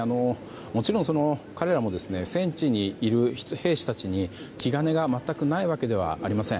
もちろん、彼らも戦地にいる兵士たちに気兼ねが全くないわけではありません。